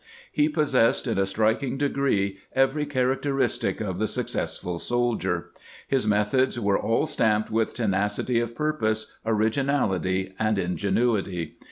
He possessed in a striking degree every characteristic of the successful soldier. His methods were aU stamped with tenacity of purpose, originality, and ingenuity.